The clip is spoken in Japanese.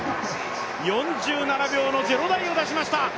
４７秒の０台を出しました。